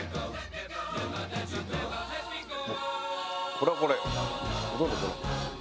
これはこれ。